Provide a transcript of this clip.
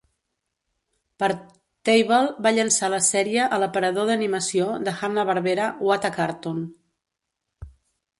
Partible va llançar la sèrie a l'aparador d'animació de Hanna-Barbera What a Cartoon!